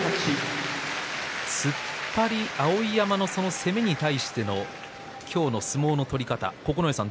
突っ張りで碧山の攻めに対しての今日の相撲の取り方